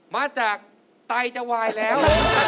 มาจากไตจะวายแล้ว